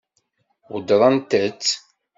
Weddṛent-tt?